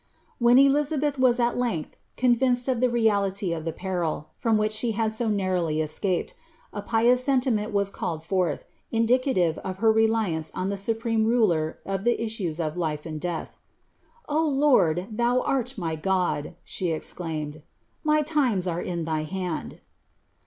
When Elizj^belh was at Icnsih convinced of the reality of the per.:. from which she had sn iiarroujv escaped, a pious seminienl ua* caiici fi.rlh, indicative of her reliance on the Supreme Ruler of the is^ue, oi life and death. " 0 Lord, thou art my Giid,'" she exclaimed, •■ mv limi: are tn ihy hand.'"